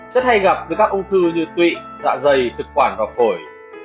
rất hay gặp với các ung thư như tụy dạ dày thực quản và phổi